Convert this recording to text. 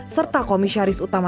serta komisaris utama